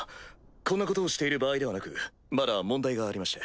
こんなことをしている場合ではなくまだ問題がありまして。